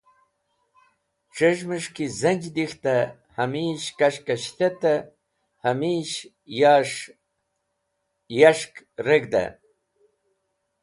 Chez̃hmẽs̃h ki zẽnj dik̃htẽ hames̃h kash kash dhetẽ hames̃h yas̃h reg̃hdẽ.